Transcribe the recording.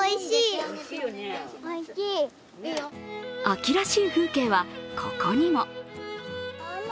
秋らしい風景は、ここにも。